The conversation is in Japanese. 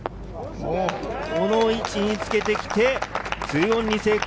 この位置につけてきて２オンに成功。